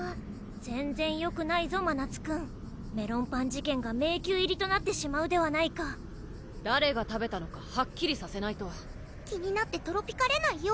全然よくないぞまなつくんメロンパン事件が迷宮入りとなってしまうではないか誰が食べたのかはっきりさせないと気になってトロピカれないよ